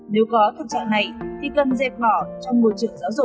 nếu có thực trạng này thì cần dẹp bỏ trong môi trường giáo dục